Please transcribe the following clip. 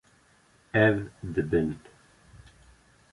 Ew dibin